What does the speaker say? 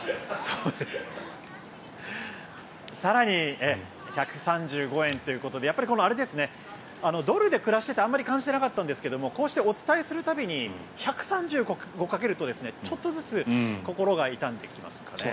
更に１３５円ということでやっぱりドルで暮らしていてあまり感じてなかったんですがこうしてお伝えする度に１３５掛けると、ちょっとずつ心が痛んできますね。